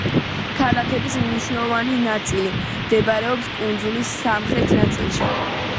ქალაქების მნიშვნელოვანი ნაწილი მდებარეობს კუნძულის სამხრეთ ნაწილში.